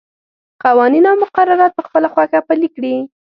قوانین او مقررات په خپله خوښه پلي کړي.